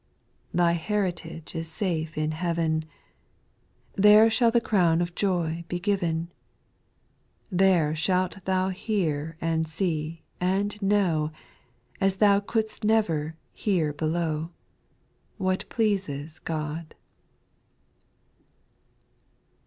9. Thy heritage is safe in heaven ; There shall the crown of joy be given ;v There shalt thou hear and see and know, As thou could^st never here below, What pleases God.